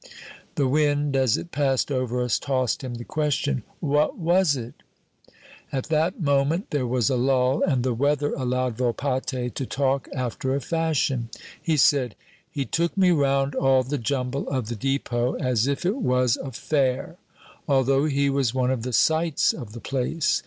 The wind, as it passed over us, tossed him the question, "What was it?" At that moment there was a lull, and the weather allowed Volpatte to talk after a fashion. He said: "He took me round all the jumble of the depot as if it was a fair, although he was one of the sights of the place.